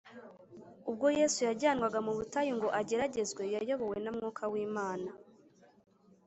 Ubwo Yesu yajyanwaga mu butayu ngo ageragezwe, Yayobowe na Mwuka w’Imana